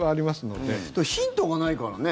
でもヒントがないからね。